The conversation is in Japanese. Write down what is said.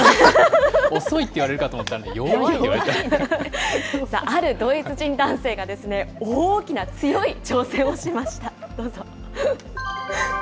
遅いって言われるかと思ったんで、あるドイツ人男性が、大きな強い挑戦をしました。